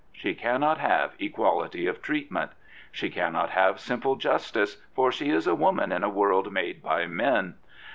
She cannot have equality of treatment. She cannot have simple justice, for she is . a woman in a world made by men.